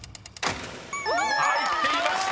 ［入っていました！